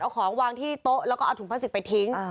เอาของวางที่โต๊ะแล้วก็เอาถุงพลาสติกไปทิ้ง